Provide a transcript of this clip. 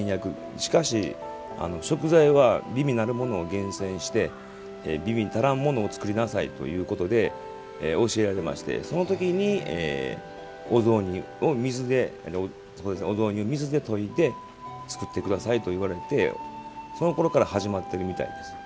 しかし、食材は美味たるものを厳選して美味たらんものを作りなさいと教えられましてそのとき、お雑煮を水で溶いて作ってくださいといわれてそのころから始まっているみたいです。